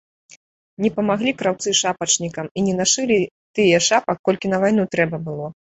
Не памаглі краўцы шапачнікам і не нашылі тыя шапак, колькі на вайну трэба было.